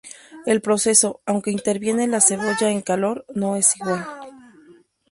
El proceso, aunque interviene la cebolla en calor, no es igual.